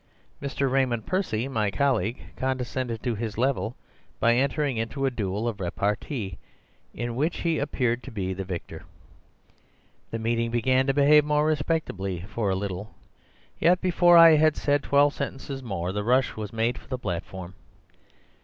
Mr. Raymond Percy, my colleague, descended to his level by entering into a duel of repartee, in which he appeared to be the victor. The meeting began to behave more respectfully for a little; yet before I had said twelve sentences more the rush was made for the platform.